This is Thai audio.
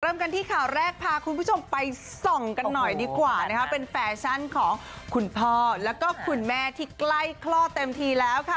เริ่มกันที่ข่าวแรกพาคุณผู้ชมไปส่องกันหน่อยดีกว่านะคะเป็นแฟชั่นของคุณพ่อแล้วก็คุณแม่ที่ใกล้คลอดเต็มทีแล้วค่ะ